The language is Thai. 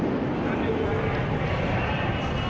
เพราะตอนนี้ก็ไม่มีเวลาให้เข้าไปที่นี่